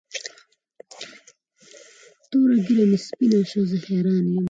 توره ږیره مې سپینه شوه زه حیران یم.